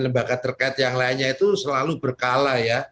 lembaga terkait yang lainnya itu selalu berkala ya